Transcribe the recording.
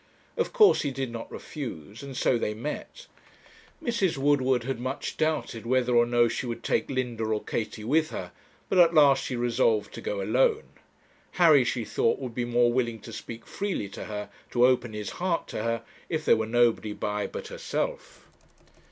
Of course he did not refuse, and so they met. Mrs. Woodward had much doubted whether or no she would take Linda or Katie with her, but at last she resolved to go alone. Harry, she thought, would be more willing to speak freely to her, to open his heart to her, if there were nobody by but herself.